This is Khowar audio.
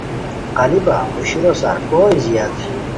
قالیپہ پوشورو سار پوئی زیاد